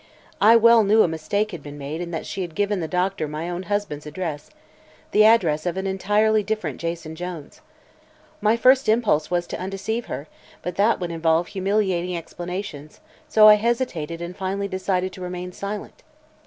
I well knew a mistake had been made and that she had given the doctor my own husband's address the address of an entirely different Jason Jones. My first impulse was to undeceive her, but that would involve humiliating explanations, so I hesitated and finally decided to remain silent.